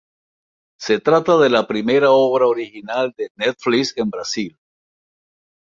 Se trata de la primera obra original de Netflix en Brasil.